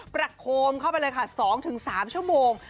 โคมเข้าไปเลยค่ะ๒๓ชั่วโมง